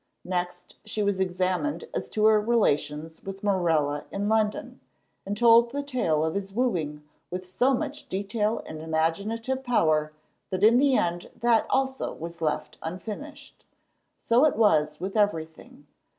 Next she was examined as to her relations with Morella in London, and told the tale of his wooing with so much detail and imaginative power that in the end that also was left unfinished. So it was with everything.